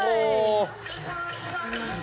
โอ้โห